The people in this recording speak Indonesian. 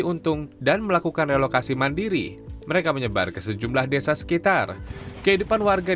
untung dan melakukan relokasi mandiri mereka menyebar ke sejumlah desa sekitar kehidupan warga